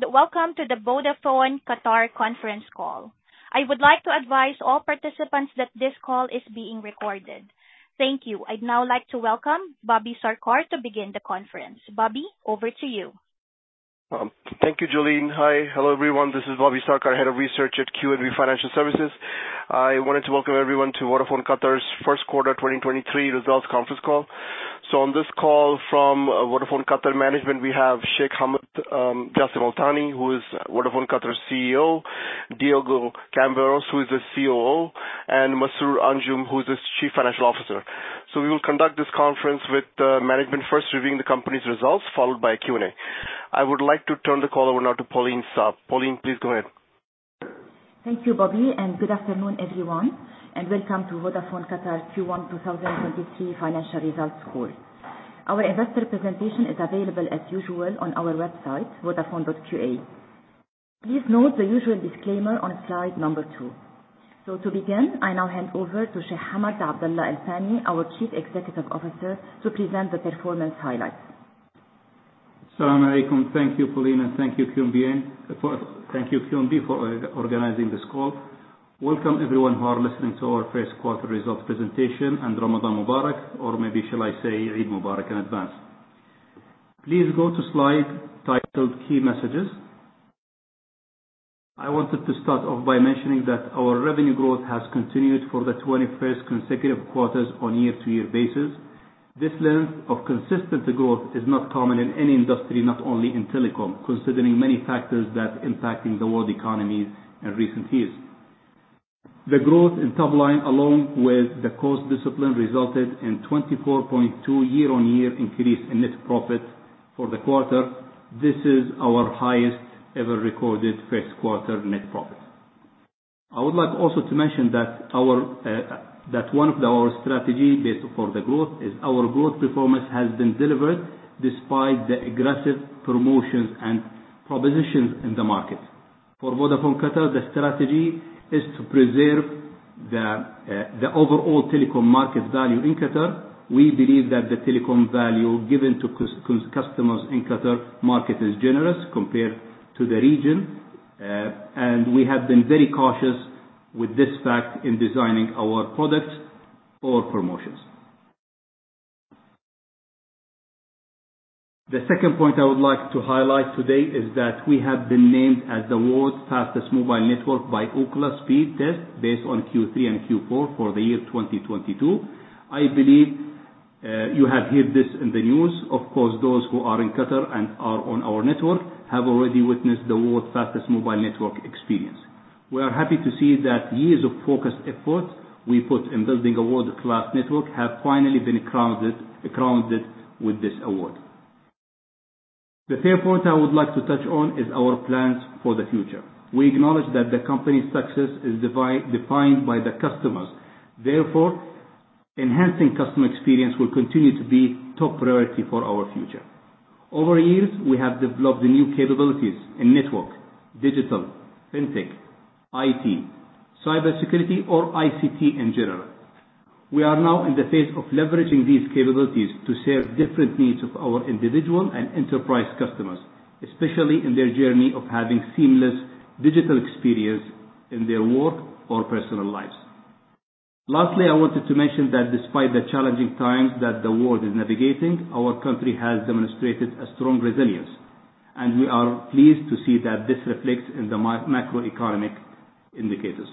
Hello, welcome to the Vodafone Qatar conference call. I would like to advise all participants that this call is being recorded. Thank you. I'd now like to welcome Bobby Sarkar to begin the conference. Bobby, over to you. Thank you, Jolene. Hi. Hello, everyone. This is Bobby Sarkar, Head of Research at QNB Financial Services. I wanted to welcome everyone to Vodafone Qatar's first quarter 2023 results conference call. On this call from Vodafone Qatar management, we have Sheikh Hamad Abdulla Jassim Al Thani, who is Vodafone Qatar CEO, Diego Camberos, who is the COO, and Masroor Anjum, who is the Chief Financial Officer. We will conduct this conference with management first reviewing the company's results, followed by a Q&A. I would like to turn the call over now to Pauline Saab. Pauline, please go ahead. Thank you, Bobby, and good afternoon, everyone, and welcome to Vodafone Qatar Q1-2023 financial results call. Our investor presentation is available as usual on our website, vodafone.qa. Please note the usual disclaimer on slide number two. To begin, I now hand over to Sheikh Hamad bin Abdullah Jassim Al Thani, our Chief Executive Officer, to present the performance highlights. Assalamualaikum. Thank you, Pauline. Thank you, QNB, for organizing this call. Welcome everyone who are listening to our first quarter results presentation. Ramadan Mubarak, or maybe shall I say Eid Mubarak in advance. Please go to slide titled Key Messages. I wanted to start off by mentioning that our revenue growth has continued for the 21st consecutive quarters on a year-over-year basis. This length of consistent growth is not common in any industry, not only in telecom, considering many factors that impacting the world economy in recent years. The growth in top line along with the cost discipline resulted in 24.2% year-over-year increase in net profit for the quarter. This is our highest ever recorded first quarter net profit. I would like also to mention that our, that one of our strategy based for the growth is our growth performance has been delivered despite the aggressive promotions and propositions in the market. For Vodafone Qatar, the strategy is to preserve the overall telecom market value in Qatar. We believe that the telecom value given to customers in Qatar market is generous compared to the region, and we have been very cautious with this fact in designing our products or promotions. The second point I would like to highlight today is that we have been named as the world's fastest mobile network by Ookla Speedtest based on Q3 and Q4 for the year 2022. I believe, you have heard this in the news. Of course, those who are in Qatar and are on our network have already witnessed the world's fastest mobile network experience. We are happy to see that years of focused effort we put in building a world-class network have finally been crowned with this award. The third point I would like to touch on is our plans for the future. We acknowledge that the company's success is defined by the customers. Therefore, enhancing customer experience will continue to be top priority for our future. Over years, we have developed new capabilities in network, digital, Fintech, IT, cybersecurity or ICT in general. We are now in the phase of leveraging these capabilities to serve different needs of our individual and enterprise customers, especially in their journey of having seamless digital experience in their work or personal lives. Lastly, I wanted to mention that despite the challenging times that the world is navigating, our country has demonstrated a strong resilience, and we are pleased to see that this reflects in the macroeconomic indicators.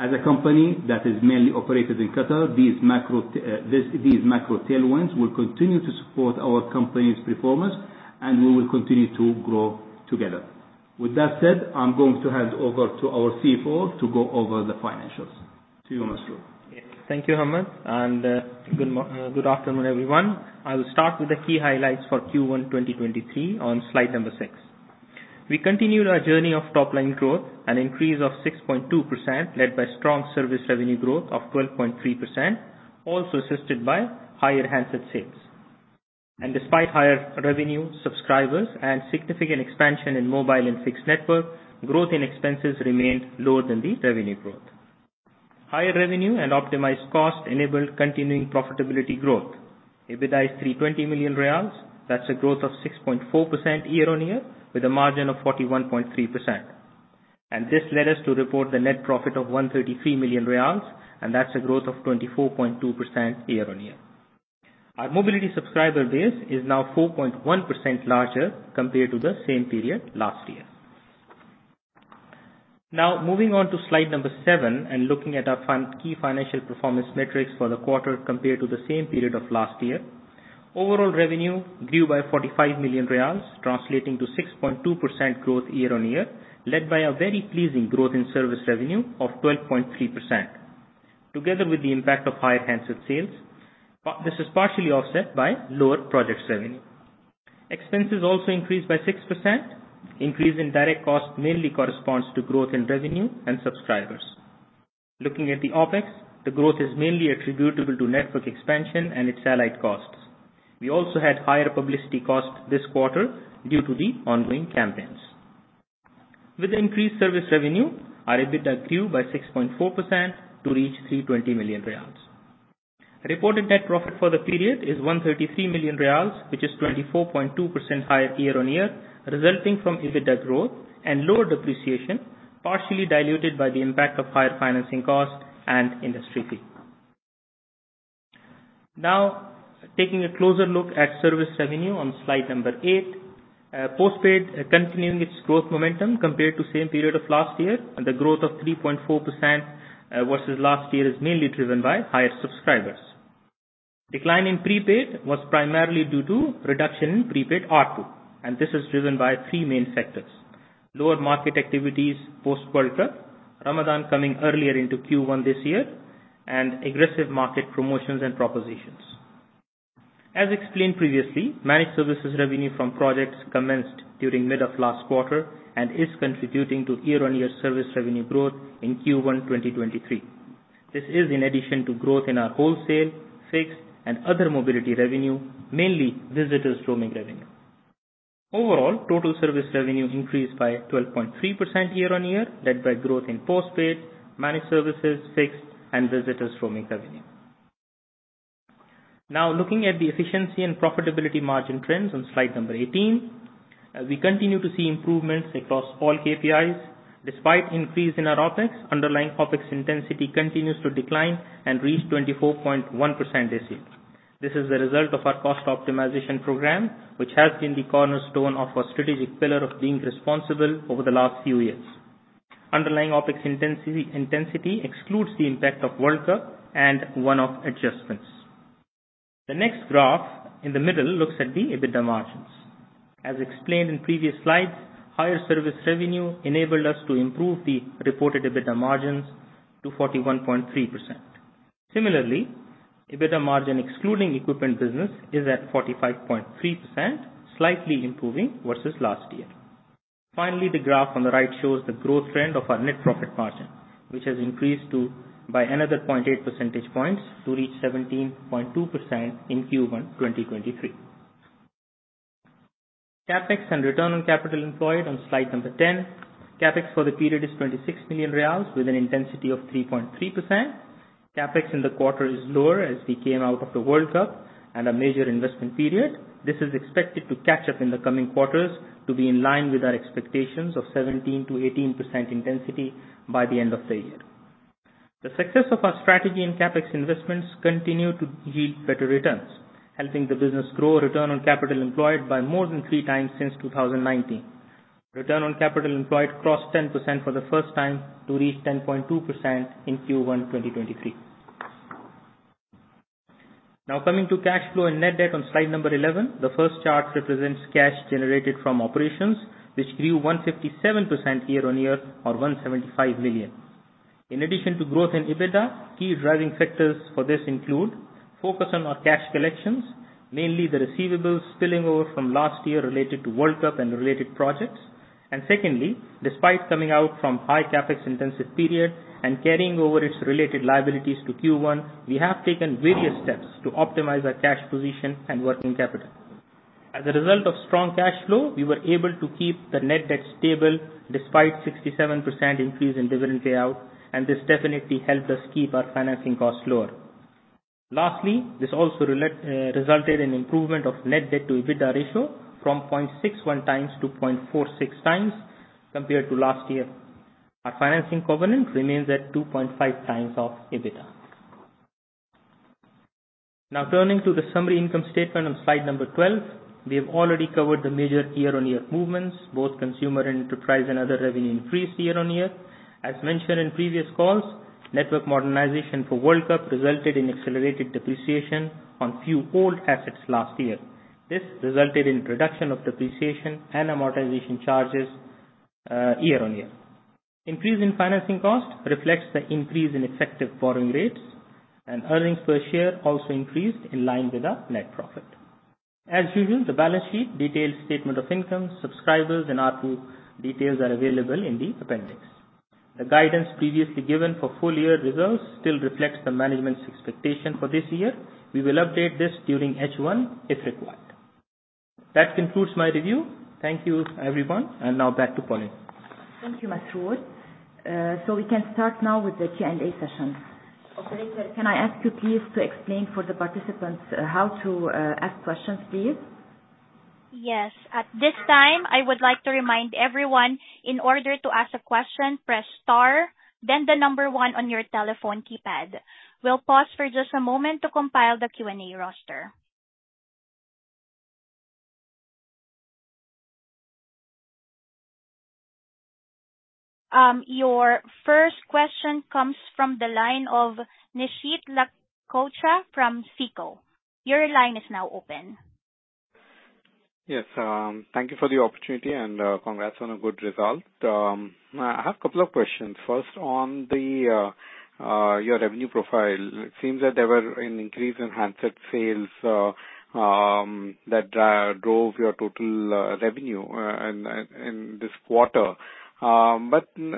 As a company that is mainly operated in Qatar, these macro tailwinds will continue to support our company's performance, and we will continue to grow together. With that said, I'm going to hand over to our CFO to go over the financials. To you, Masroor. Yes. Thank you, Hamad. Good afternoon, everyone. I will start with the key highlights for Q1 2023 on slide number six. We continued our journey of top-line growth, an increase of 6.2%, led by strong service revenue growth of 12.3%, also assisted by higher handset sales. Despite higher revenue subscribers and significant expansion in mobile and fixed network, growth in expenses remained lower than the revenue growth. Higher revenue and optimized cost enabled continuing profitability growth. EBITDA is 320 million riyals. That's a growth of 6.4% year-on-year with a margin of 41.3%. This led us to report the net profit of 133 million riyals, and that's a growth of 24.2% year-on-year. Our mobility subscriber base is now 4.1% larger compared to the same period last year. Now moving on to slide number seven and looking at our key financial performance metrics for the quarter compared to the same period of last year. Overall revenue grew by 45 million riyals, translating to 6.2% growth year-on-year, led by a very pleasing growth in service revenue of 12.3%. Together with the impact of higher handset sales, this is partially offset by lower project revenue. Expenses also increased by 6%. Increase in direct cost mainly corresponds to growth in revenue and subscribers. Looking at the OpEx, the growth is mainly attributable to network expansion and its allied costs. We also had higher publicity costs this quarter due to the ongoing campaigns. With the increased service revenue, our EBITDA grew by 6.4% to reach 320 million riyals. Reported net profit for the period is 130 million riyals, which is 24.2% higher year-on-year, resulting from EBITDA growth and lower depreciation, partially diluted by the impact of higher financing costs and industry fee. Taking a closer look at service revenue on slide number eight. Postpaid continuing its growth momentum compared to same period of last year, and the growth of 3.4% versus last year is mainly driven by higher subscribers. Decline in prepaid was primarily due to reduction in prepaid ARPU, and this is driven by three main factors: lower market activities post-World Cup, Ramadan coming earlier into Q1 this year, and aggressive market promotions and propositions. As explained previously, managed services revenue from projects commenced during mid of last quarter and is contributing to year-on-year service revenue growth in Q1 2023. This is in addition to growth in our wholesale, fixed, and other mobility revenue, mainly visitors roaming revenue. Overall, total service revenue increased by 12.3% year-on-year, led by growth in postpaid, managed services, fixed and visitors roaming revenue. Looking at the efficiency and profitability margin trends on slide number 18. As we continue to see improvements across all KPIs, despite increase in our OpEx, underlying OpEx intensity continues to decline and reach 24.1% this year. This is the result of our cost optimization program, which has been the cornerstone of our strategic pillar of being responsible over the last few years. Underlying OpEx intensity excludes the impact of World Cup and one-off adjustments. The next graph in the middle looks at the EBITDA margins. As explained in previous slides, higher service revenue enabled us to improve the reported EBITDA margins to 41.3%. Similarly, EBITDA margin, excluding equipment business, is at 45.3%, slightly improving versus last year. Finally, the graph on the right shows the growth trend of our net profit margin, which has increased to by another 0.8 percentage points to reach 17.2% in Q1, 2023. CapEx and return on capital employed on slide number 10. CapEx for the period is 26 million riyals with an intensity of 3.3%. CapEx in the quarter is lower as we came out of the World Cup and a major investment period. This is expected to catch up in the coming quarters to be in line with our expectations of 17%-18% intensity by the end of the year. The success of our strategy in CapEx investments continue to yield better returns, helping the business grow return on capital employed by more than 3x since 2019. Return on capital employed crossed 10% for the first time to reach 10.2% in Q1 2023. Coming to cash flow and net debt on slide number 11. The first chart represents cash generated from operations which grew 157% year-on-year or 175 million. In addition to growth in EBITDA, key driving factors for this include focus on our cash collections, mainly the receivables spilling over from last year related to World Cup and related projects. Secondly, despite coming out from high CapEx intensive period and carrying over its related liabilities to Q1, we have taken various steps to optimize our cash position and working capital. As a result of strong cash flow, we were able to keep the net debt stable despite 67% increase in dividend payout, this definitely helped us keep our financing costs lower. Lastly, this also resulted in improvement of net debt to EBITDA ratio from 0.61x to 0.46x compared to last year. Our financing covenant remains at 2.5x of EBITDA. Turning to the summary income statement on slide number 12. We have already covered the major year-on-year movements, both consumer and enterprise and other revenue increased year-on-year. As mentioned in previous calls, network modernization for World Cup resulted in accelerated depreciation on few old assets last year. This resulted in reduction of depreciation and amortization charges, year-on-year. Increase in financing cost reflects the increase in effective borrowing rates, and earnings per share also increased in line with our net profit. As usual, the balance sheet, detailed statement of income, subscribers, and ARPU details are available in the appendix. The guidance previously given for full year results still reflects the management's expectation for this year. We will update this during H1 if required. That concludes my review. Thank you, everyone. Now back to Pauline. Thank you, Masroor. We can start now with the Q&A session. Operator, can I ask you please to explain for the participants how to ask questions, please? Yes. At this time, I would like to remind everyone, in order to ask a question, press star, then the number one on your telephone keypad. We'll pause for just a moment to compile the Q&A roster. Your first question comes from the line of Nishit Lakhotia from SICO. Your line is now open. Yes. Thank you for the opportunity and congrats on a good result. I have a couple of questions. First, on the your revenue profile, it seems that there were an increase in handset sales that drove your total revenue in this quarter. The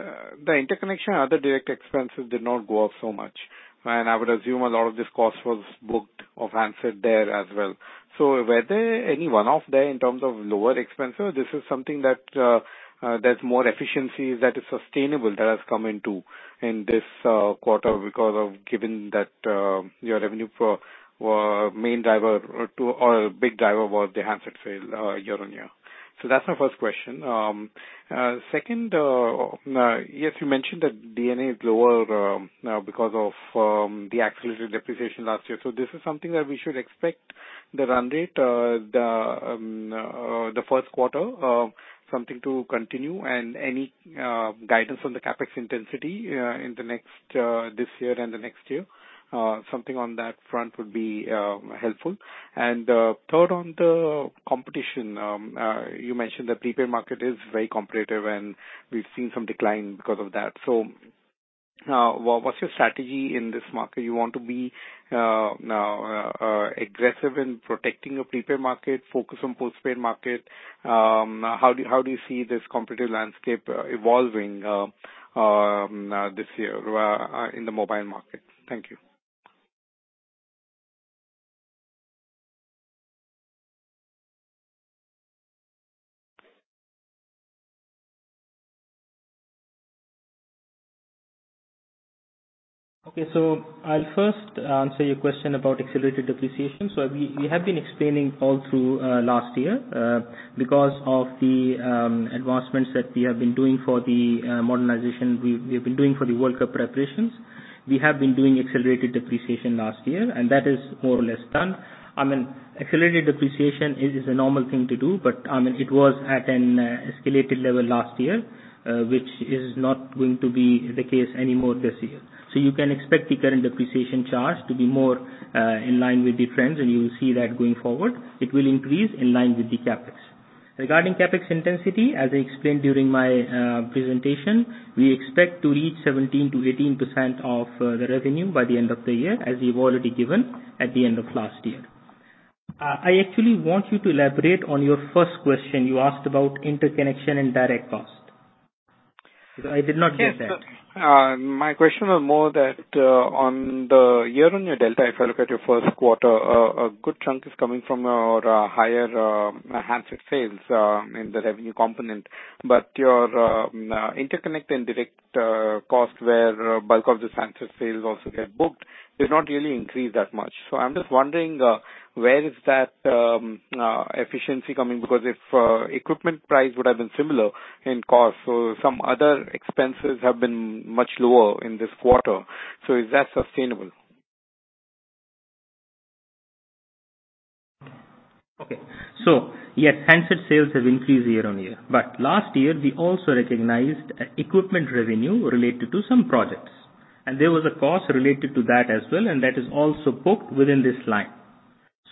interconnection other direct expenses did not go up so much. I would assume a lot of this cost was booked of handset there as well. Were there any one-off there in terms of lower expenses? This is something that there's more efficiency that is sustainable, that has come into in this quarter because of. Given that your revenue for main driver or a big driver was the handset sales year-on-year. That's my first question. Second, yes, you mentioned that D&A is lower because of the accelerated depreciation last year. This is something that we should expect the run rate, the first quarter, something to continue and any guidance on the CapEx intensity in the next this year and the next year, something on that front would be helpful. Third, on the competition, you mentioned the prepaid market is very competitive, and we've seen some decline because of that. What's your strategy in this market? You want to be aggressive in protecting your prepaid market, focus on postpaid market? How do you see this competitive landscape evolving this year in the mobile market? Thank you. I'll first answer your question about accelerated depreciation. We have been explaining all through last year because of the advancements that we have been doing for the modernization we've been doing for the World Cup preparations. We have been doing accelerated depreciation last year, and that is more or less done. I mean, accelerated depreciation is a normal thing to do, but, I mean, it was at an escalated level last year, which is not going to be the case anymore this year. You can expect the current depreciation charge to be more in line with the trends, and you will see that going forward. It will increase in line with the CapEx. Regarding CapEx intensity, as I explained during my presentation, we expect to reach 17%-18% of the revenue by the end of the year, as we've already given at the end of last year. I actually want you to elaborate on your first question. You asked about interconnection and direct cost. I did not get that. Yes, sir. My question was more that on the year-on-year delta, if I look at your first quarter, a good chunk is coming from your higher handset sales in the revenue component. Your interconnect and direct costs, where bulk of the handset sales also get booked, does not really increase that much. I'm just wondering where is that efficiency coming? If equipment price would have been similar in cost, so some other expenses have been much lower in this quarter. Is that sustainable? Okay. Yes, handset sales have increased year-on-year, but last year we also recognized equipment revenue related to some projects, and there was a cost related to that as well, and that is also booked within this line.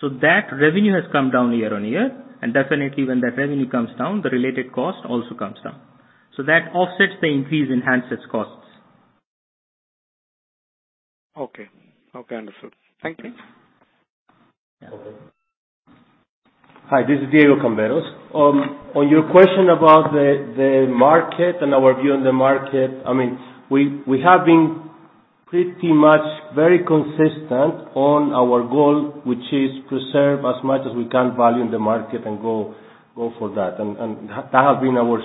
That revenue has come down year-on-year. Definitely when that revenue comes down, the related cost also comes down. That offsets the increase in handsets costs. Okay. Okay, understood. Thank you. Okay. Hi, this is Diego Camberos. On your question about the market and our view on the market, I mean, we have been pretty much very consistent on our goal, which is preserve as much as we can value in the market and go for that. That has been our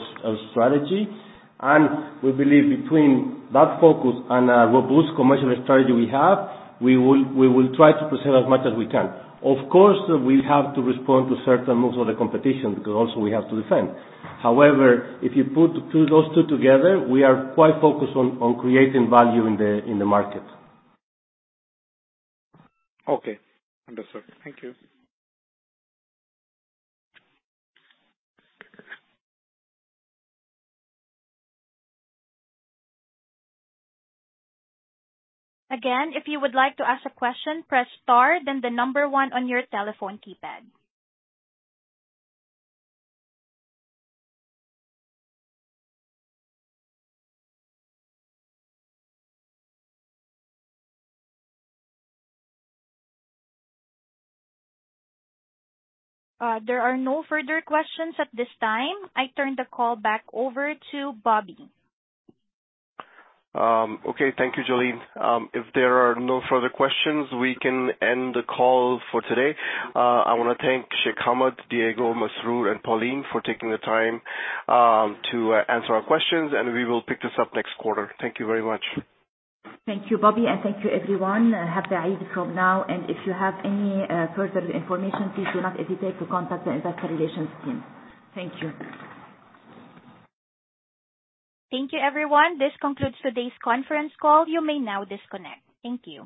strategy. We believe between that focus and a robust commercial strategy we have, we will try to preserve as much as we can. Of course, we have to respond to certain moves of the competition because also we have to defend. However, if you put those two together, we are quite focused on creating value in the, in the market. Okay. Understood. Thank you. Again, if you would like to ask a question, press star then number one on your telephone keypad. There are no further questions at this time. I turn the call back over to Bobby. Okay. Thank you, Jolene. If there are no further questions, we can end the call for today. I wanna thank Sheikh Hamad, Diego, Masroor and Pauline for taking the time to answer our questions. We will pick this up next quarter. Thank you very much. Thank you, Bobby. Thank you, everyone. Have a inshallah from now, if you have any further information, please do not hesitate to contact the investor relations team. Thank you. Thank you, everyone. This concludes today's conference call. You may now disconnect. Thank you.